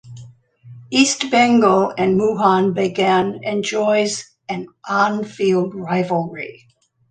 East Bengal and Mohun Bagan enjoys an on field rivalry.